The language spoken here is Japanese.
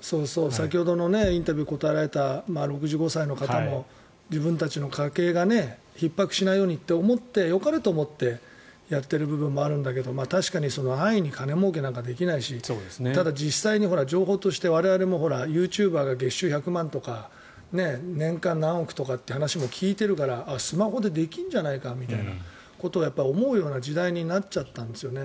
先ほどのインタビューに答えられた６５歳の方も自分たちの家計がひっ迫しないようにって思ってよかれと思ってやっている部分もあるんだけど確かに安易に金もうけなんかできないしただ、実際に情報としても我々がユーチューバーが月収１００万円とか年間何億円という話も聞いているからスマホでできるんじゃないかということを思うような時代になっちゃったんですよね。